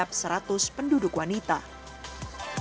kipas penduduk penduduk indonesia itu berburu ber cigarettes